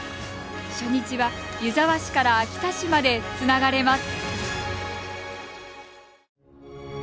初日は湯沢市から秋田市までつながれます。